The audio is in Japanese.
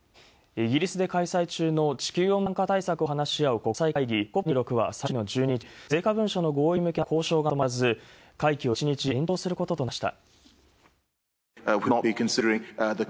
イギリスで開催中の地球温暖化対策を話し合う国際会議＝ＣＯＰ２６は最終日の１２日、成果文書の合意に向けた交渉がまとまらず、会期を１日延長することとなりました。